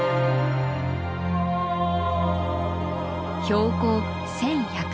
標高１，１００ｍ。